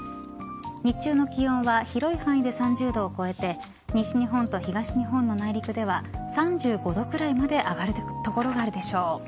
日中の気温は広い範囲で３０度を超えて西日本と東日本の内陸では３５度くらいまで上がる所があるでしょう。